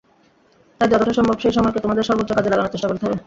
তাই যতটা সম্ভব সেই সময়কে তোমাদের সর্বোচ্চ কাজে লাগানোর চেষ্টা করতে হবে।